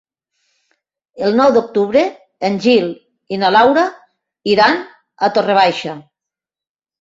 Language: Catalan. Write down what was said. El nou d'octubre en Gil i na Laura iran a Torre Baixa.